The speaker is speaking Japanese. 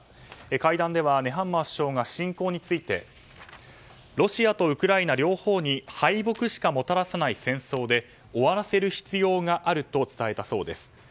会談ではネハンマー首相が侵攻についてロシアとウクライナ両方に敗北しかもたらさない戦争で終わらせる必要があると伝えたそうです。